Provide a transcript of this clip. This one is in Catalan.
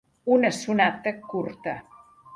Una sonata curta.